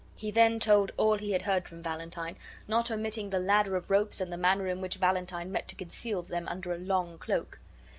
He then told all he had heard from Valentine, not omitting the ladder of ropes and the manner in which Valentine meant to conceal them under a long cloak.